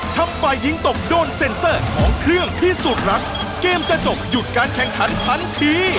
และได้รับเงินเพียงเครื่องหนึ่งที่สะสมไว้